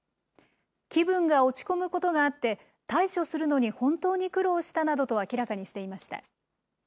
気分が落ち込むことがあって、対処するのに本当に苦労したなどと明らかにしていました。